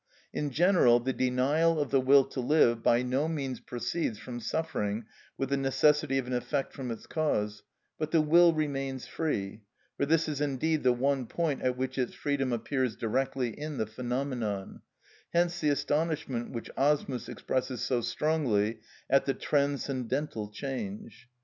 In general, the denial of the will to live by no means proceeds from suffering with the necessity of an effect from its cause, but the will remains free; for this is indeed the one point at which its freedom appears directly in the phenomenon; hence the astonishment which Asmus expresses so strongly at the "transcendental change."